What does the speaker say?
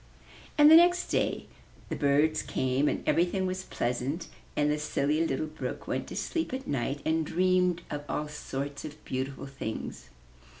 And the next day the birds came and everything was pleasant, and the Silly Little Brook went to sleep at night and dreamed of all sorts of beautiful things.